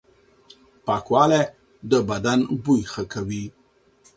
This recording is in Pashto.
پاکوالي د بدن بوی ښه کوي.